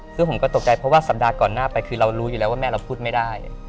ซึ่งผมก็ตกใจเพราะว่าสัปดาห์ก่อนหน้าไปคือเรารู้อยู่แล้วว่าแม่เราพูดไม่ได้